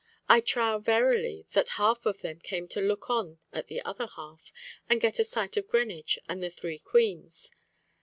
I trow, verily, that half of them came to look on at the other half, and get a sight of Greenwich and the three queens.